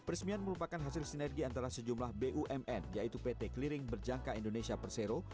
peresmian merupakan hasil sinergi antara sejumlah bumn yaitu pt clearing berjangka indonesia persero